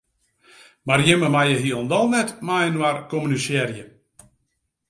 Mar jimme meie hielendal net mei-inoar kommunisearje.